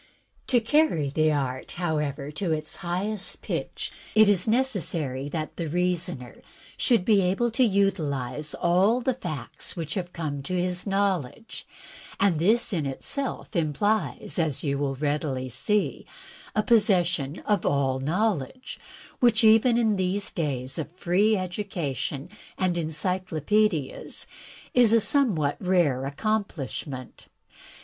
To carry the art, however, to its highest pitch, it is neces sary that the reasoner shotild be able to utilize all the facts which have come to his knowledge; and this in itself implies, as you will readily see, a possession of all knowledge, which, even in these days of free education and encyclopaedias, is a somewhat rare accom plishment.